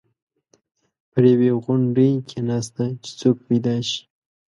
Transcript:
پر یوې غونډۍ کېناسته چې څوک پیدا شي.